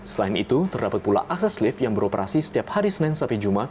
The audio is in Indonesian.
selain itu terdapat pula akses lift yang beroperasi setiap hari senin sampai jumat